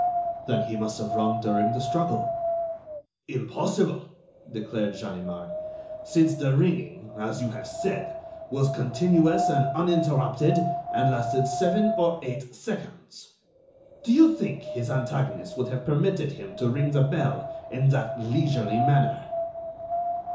"Then he must have rung during the struggle." "Impossible," declared Ganimard, "since the ringing, as you have said, was continuous and uninterrupted, and lasted seven or eight seconds. Do you think his antagonist would have permitted him to ring the bell in that leisurely manner?"